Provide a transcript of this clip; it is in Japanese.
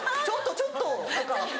「ちょっとちょっと！」とか。